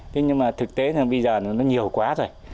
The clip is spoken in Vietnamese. thế nhưng mà thực tế là bây giờ nó nhiều quá rồi